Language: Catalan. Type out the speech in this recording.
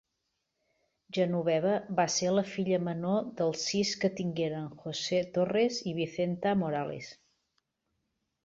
Genoveva va ser la filla menor dels sis que tingueren José Torres i Vicenta Morales.